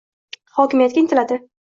hokimiyatga intiladi